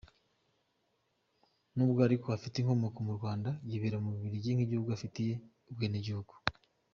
N’ubwo ariko afite inkomoko mu Rwanda, yibera mu Bubiligi nk’igihugu anafitiye ubwenegihugu.